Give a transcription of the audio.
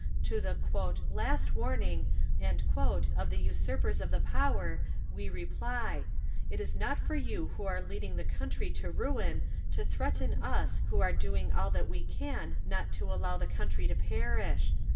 "To the 'last warning' of the usurpers of the power we reply: It is not for you who are leading the country to ruin to threaten us who are doing all we can not to allow the country to perish.